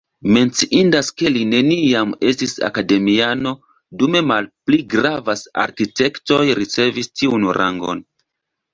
Menciindas, ke li neniam estis akademiano, dume malpli gravas arkitektoj ricevis tiun rangon.